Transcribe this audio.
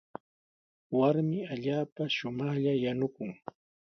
Warmi allaapa shumaqlla yanukun.